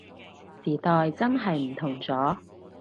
時代真係唔同咗